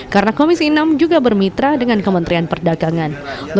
karena komisi enam juga bermitra dengan kementerian perdagangan